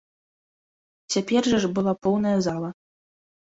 Цяпер жа ж была поўная зала.